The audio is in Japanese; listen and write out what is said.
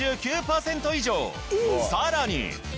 さらに。